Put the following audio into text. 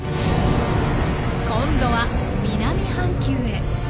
今度は南半球へ。